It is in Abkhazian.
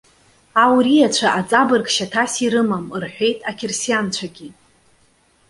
Ауриацәа аҵабырг шьаҭас ирымам,- рҳәеит ақьырсианцәагьы.